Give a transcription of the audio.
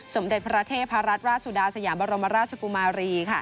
สมเด็จพระเทพรัตนราชสุดาสยามบรมราชกุมารี